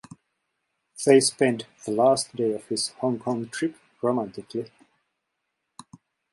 They spend the last day of his Hong Kong trip romantically.